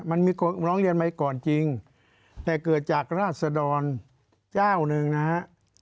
มันมีคนร้องเรียนมาก่อนจริงแต่เกิดจากราศดรเจ้าหนึ่งนะฮะ